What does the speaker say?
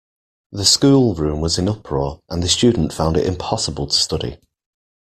The schoolroom was in uproar, and the student found it impossible to study